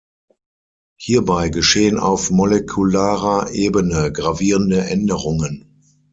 Hierbei geschehen auf molekularer Ebene gravierende Änderungen.